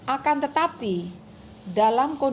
akan tetapi dalam perjalanan